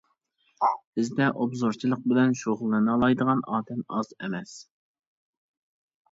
بىزدە ئوبزورچىلىق بىلەن شۇغۇللىنالايدىغان ئادەم ئاز ئەمەس.